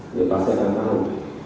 dia pasti akan tahu